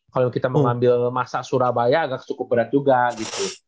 kalau kita mengambil masak surabaya agak cukup berat juga gitu